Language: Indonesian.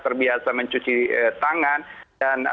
terbiasa mencuci tangan dan